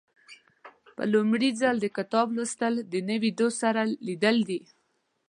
په لومړي ځل د کتاب لوستل د نوي دوست سره لیدل دي.